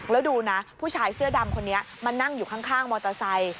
แล้วดูนะผู้ชายเสื้อดำคนนี้มานั่งอยู่ข้างมอเตอร์ไซค์